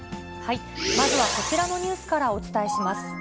まずはこちらのニュースからお伝えします。